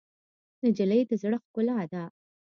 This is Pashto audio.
نجلۍ د زړه ښکلا ده.